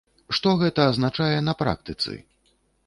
Што гэта азначае на практыцы?